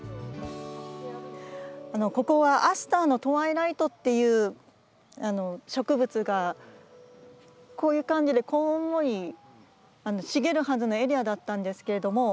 ここはアスターのトワイライトっていう植物がこういう感じでこんもり茂るはずのエリアだったんですけれども。